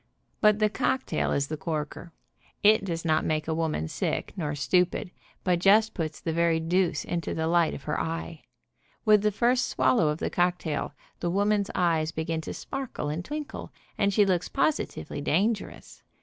But the cocktail is the corker. It does not make a woman sick, nor stupid, but just puts the very deuce into the light of her eye. With the first swallow of the cocktail the woman's eyes begin to sparkle and twinkle, and she looks positively dangerous.